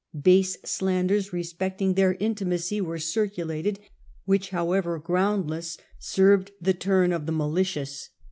Base slanders respecting their intimacy were circulated, which, how ever groundless, served the turn of the malicious.